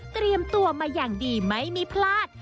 เตรียมตัวมาอย่างดีไม่มีพลาด